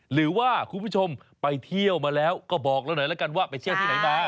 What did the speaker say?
หรือว่าคุณผู้ชมไปเที่ยวมาแล้วก็บอกเราหน่อยแล้วกันว่าไปเที่ยวที่ไหนมา